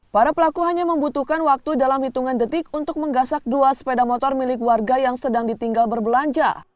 para pelaku hanya membutuhkan waktu dalam hitungan detik untuk menggasak dua sepeda motor milik warga yang sedang ditinggal berbelanja